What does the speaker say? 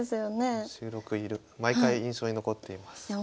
収録毎回印象に残っています。